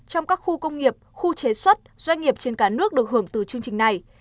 trong các khu công nghiệp khu chế xuất doanh nghiệp trên cả nước được hưởng từ chương trình này